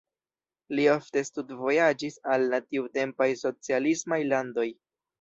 Li ofte studvojaĝis al la tiutempaj socialismaj landoj.